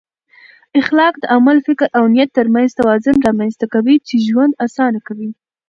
اخلاق د عمل، فکر او نیت ترمنځ توازن رامنځته کوي چې ژوند اسانه کوي.